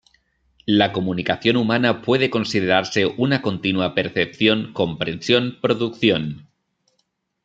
La comunicación humana puede considerarse una continua percepción-comprensión-producción.